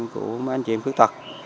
của mấy anh chị em khuyết tật